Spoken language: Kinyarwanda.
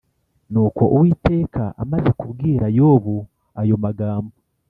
Nuko Uwiteka amaze kubwira Yobu ayo magambo